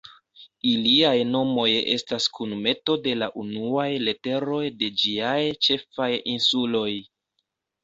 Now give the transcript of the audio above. Iliaj nomoj estas kunmeto de la unuaj literoj de ĝiaj ĉefaj insuloj.